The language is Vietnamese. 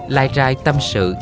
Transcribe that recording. lai rai tâm sự